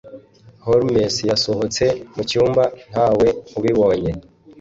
holmes yasohotse mucyumba ntawe ubibonye